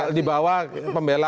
kalau di bawah pembela